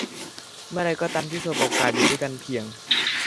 เมื่อไรก็ตามที่สบโอกาสอยู่ด้วยกันเพียง